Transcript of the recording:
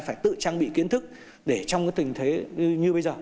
phải tự trang bị kiến thức để trong cái tình thế như bây giờ